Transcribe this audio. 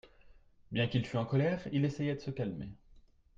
Bien qu'il fût en colère, il essayait de se calmer.